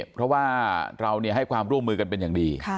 เพราะว่าเราให้ความร่วมมือกันเป็นอย่างดี